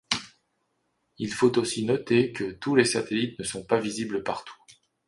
Il faut aussi noter que tous les satellites ne sont pas visibles partout.